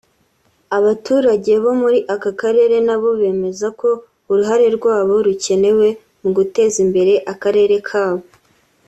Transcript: Abaturage bo muri aka karere nabo bemeza ko uruhare rwabo rukenewe mu guteza imbere akarere kabo